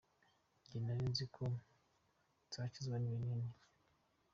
Njye nari nzi ko nzakizwa n’ibinini.